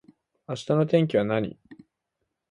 明日の天気は何